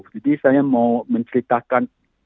jadi saya mau menceritakan